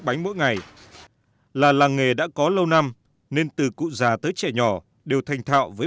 cảm ơn các bạn đã theo dõi